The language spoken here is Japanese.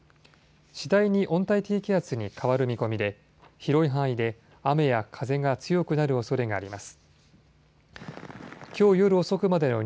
次第に温帯低気圧に変わる見込みで広い範囲で雨や風が強くなるおそれがあります。